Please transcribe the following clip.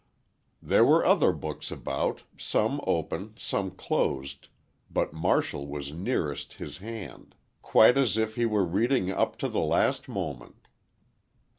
"There were other books about, some open, some closed, but Martial was nearest his hand—quite as if he were reading up to the last moment."